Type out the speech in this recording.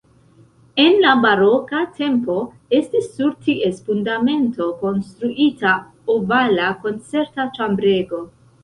En la baroka tempo estis sur ties fundamento konstruita ovala koncerta ĉambrego.